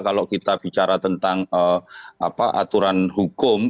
kalau kita bicara tentang aturan hukum